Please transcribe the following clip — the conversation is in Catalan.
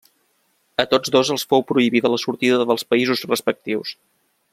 A tots dos els fou prohibida la sortida dels països respectius.